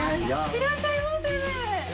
「いらっしゃいませ」！